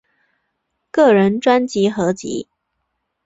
个人专辑合辑